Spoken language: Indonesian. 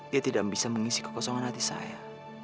dia tidak bisa mengisi kekosongan hati saya